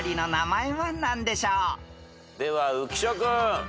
では浮所君。